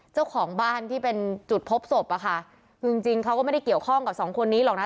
เจ้าของบ้านที่เป็นจุดพบศพอะค่ะคือจริงจริงเขาก็ไม่ได้เกี่ยวข้องกับสองคนนี้หรอกนะ